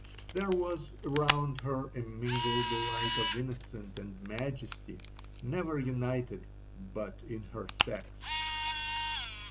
There was around her a mingled light of innocence and majesty, never united but in her sex.